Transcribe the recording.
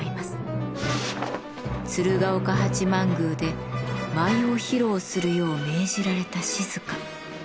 鶴岡八幡宮で舞を披露するよう命じられた静。